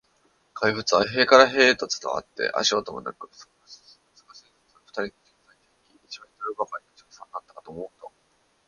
怪物は塀から塀へと伝わって、足音もなく、少しずつ、少しずつ、ふたりに近づいていき、一メートルばかりの近さになったかと思うと、